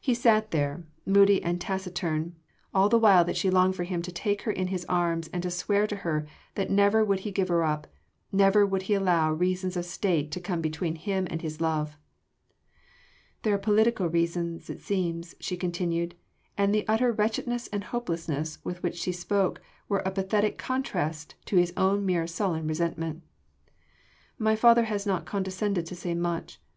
He sat there, moody and taciturn, all the while that she longed for him to take her in his arms and to swear to her that never would he give her up, never would he allow reasons of State to come between him and his love. "There are political reasons it seems," she continued, and the utter wretchedness and hopelessness with which she spoke were a pathetic contrast to his own mere sullen resentment. "My father has not condescended to say much.